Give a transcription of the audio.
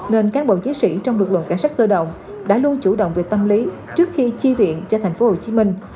nên cán bộ chiến sĩ trong lực lượng cảnh sát cơ động đã luôn chủ động về tâm lý trước khi chi viện cho thành phố hồ chí minh